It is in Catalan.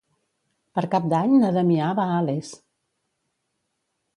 Per Cap d'Any na Damià va a Les.